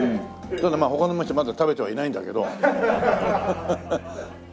ただまあ他の店まだ食べてはいないんだけど。